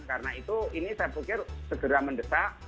karena itu ini saya pikir segera mendesak